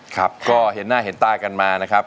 ครับก็เห็นหน้าเห็นตากันมานะครับ